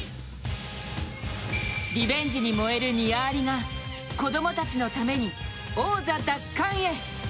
リベンジに燃えるニア・アリが子供たちのために王座奪還へ。